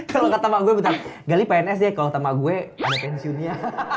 kalau ke tempat gue bentar gali pns deh kalau ke tempat gue ada pensiunnya